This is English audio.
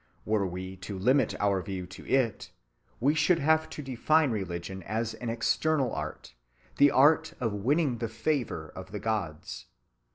Were we to limit our view to it, we should have to define religion as an external art, the art of winning the favor of the gods.